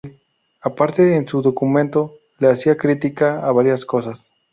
Aparte en su documento le hacía critica a varias cosas.